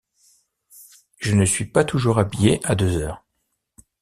Je ne suis pas toujours habillée à deux heures.